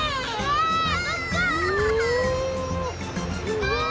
すごい！